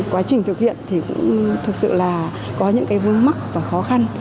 quá trình thực hiện thì cũng thực sự là có những vương mắc và khó khăn